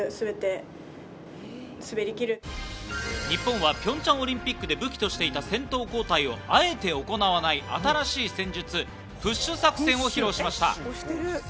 日本はピョンチャンオリンピックで武器としていた先頭交代をあえて行わない新しい戦術、プッシュ作戦を披露しました。